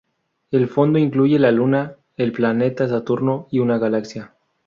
El fondo incluye la Luna, el planeta Saturno y una galaxia.